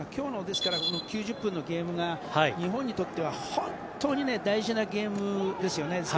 ですから、今日の９０分のゲームが、日本にとって本当に大事なゲームですよね。